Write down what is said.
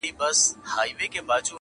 ماله ېې هسې زړه درياب رانکړو